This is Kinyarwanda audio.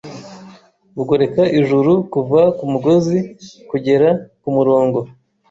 Bugoreka Ijuru kuva kumugozi kugera kumurongo